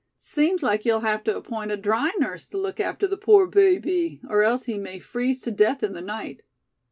Seems like you'll have to appoint a dry nurse to look after the poor baby, or else he may freeze to death in the night."